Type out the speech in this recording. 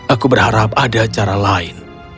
aku berharap ada cara lain